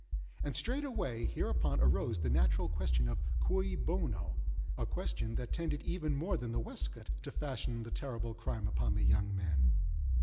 And straightway hereupon, arose the natural question of cui bono?—a question that tended even more than the waistcoat to fasten the terrible crime upon the young man.